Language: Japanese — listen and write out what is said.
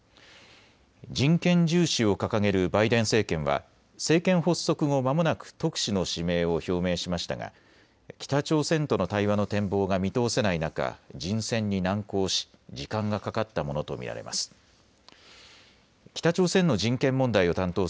人権重視を掲げるバイデン政権は政権発足後まもなく特使の指名を表明しましたが北朝鮮との対話の展望が見通せない中、人選に難航し時間がかかったものと見られます。